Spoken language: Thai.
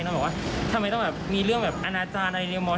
เราแบบว่าทำไมต้องแบบมีเรื่องแบบอนาจารย์อะไรในมอร์